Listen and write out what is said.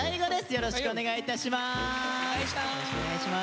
よろしくお願いします。